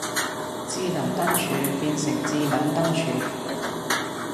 智能燈柱變成致撚燈柱